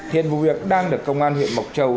hiện vụ việc đang được công an huyện mộc châu